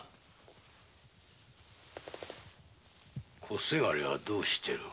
小伜はどうしておる？